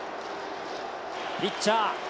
ピッチャー